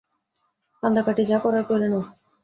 কান্দােকাটি যা করার কইরা নেও।